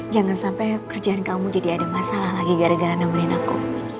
jangan sampai kerjaan kamu jadi ada masalah lagi gara gara nemuin aku